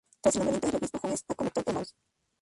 Tras el nombramiento de Obispo Hughes a Covington, el Mons.